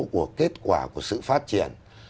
của kết quả của sự phát triển